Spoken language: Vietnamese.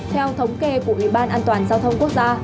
theo thống kê của ủy ban an toàn giao thông quốc gia